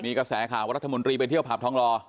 มีกระแสข่าวว่ารัฐมนตรีไปเที่ยวผับทองลอ